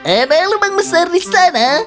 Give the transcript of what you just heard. eh banyak lubang besar di sana